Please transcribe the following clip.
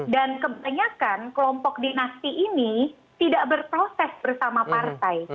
dan kebanyakan kelompok dinasti ini tidak berproses bersama partai